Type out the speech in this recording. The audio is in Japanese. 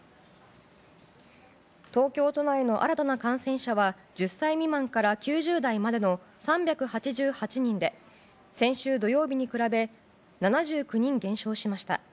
東京都内の新たな感染者は１０歳未満から９０代までの３８８人で先週土曜日に比べ７９人減少しました。